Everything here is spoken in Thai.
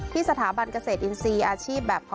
ที่สถาบันเกษตรอินทรีย์อาชีพ